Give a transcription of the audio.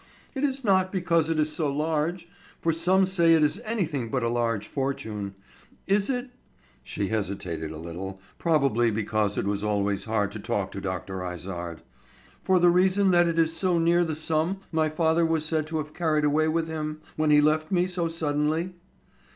It is not because it is so large; for some say it is anything but a large fortune. Is it—" she hesitated a little, probably because it was always hard to talk to Dr. Izard—"for the reason that it is so near the sum my father was said to have carried away with him, when he left me so suddenly?"